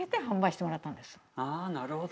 あなるほど。